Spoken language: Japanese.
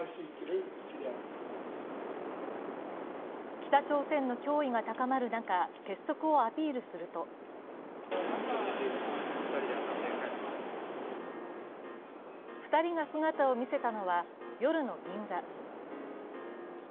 北朝鮮の脅威が高まる中、結束をアピールすると２人が姿を見せたのは、夜の銀座。